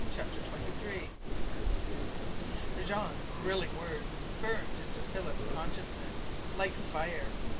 CHAPTER TWENTY THREE Jean's thrilling words burned into Philip's consciousness like fire.